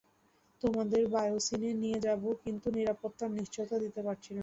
তোমাদের বায়োসিনে নিয়ে যাবো কিন্তু নিরাপত্তার নিশ্চয়তা দিতে পারছি না।